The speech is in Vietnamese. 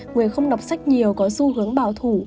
người không đọc sách nhiều có xu hướng bảo thủ